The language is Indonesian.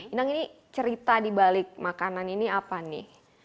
inang ini cerita dibalik makanan ini apa nih